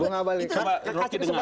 coba kasih kesempatan rocky dulu